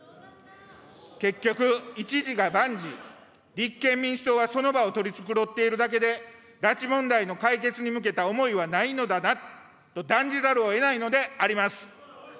結局、一事が万事、立憲民主党はその場を取り繕っているだけで、拉致問題の解決に向けた思いはないのだなと断じざるをえないのであります。